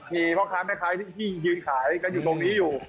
มีพ่อค้าแม่ค้าที่ยืนขายกันอยู่ตรงนี้อยู่